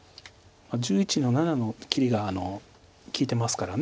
１１の七の切りが利いてますから。